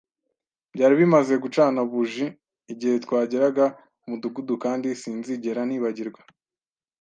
Byari bimaze gucana buji igihe twageraga kumudugudu, kandi sinzigera nibagirwa